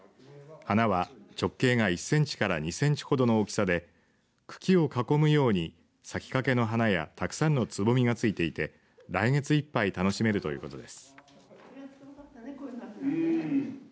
花は直径が１センチから２センチほどの大きさで茎を囲むように咲きかけの花やたくさんのつぼみがついていて来月いっぱい楽しめるということです。